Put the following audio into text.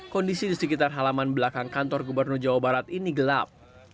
kondisi di sekitar halaman belakang kantor gubernur jawa barat ini gelap